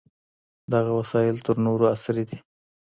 دغه وسايل تر نورو عصري دي.